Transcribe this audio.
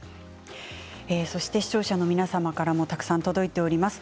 視聴者の皆様からもたくさん届いております。